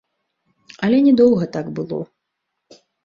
Але не доўга так было.